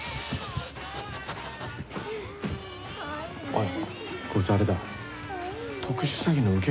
おい。